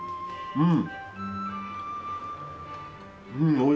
うん！